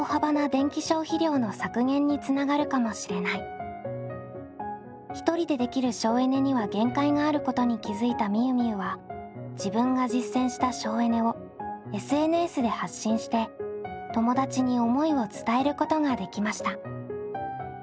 続くステップ③の課題は一人でできる省エネには限界があることに気付いたみゆみゆは自分が実践した省エネをＳＮＳで発信して友達に思いを伝えることができました。